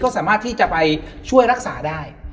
ก็สามารถที่จะไปช่วยรักษาได้